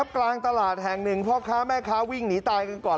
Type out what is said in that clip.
กลางตลาดแห่งหนึ่งพ่อค้าแม่ค้าวิ่งหนีตายกันก่อน